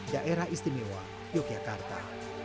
daerah istimewa yogyakarta